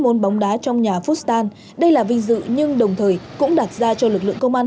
môn bóng đá trong nhà fusan đây là vinh dự nhưng đồng thời cũng đặt ra cho lực lượng công an